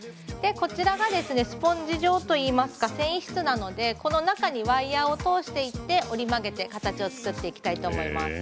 こちらがスポンジ状といいますか繊維質なのでこの中にワイヤーを通してイッテ折り曲げて形を作っていきたいと思います。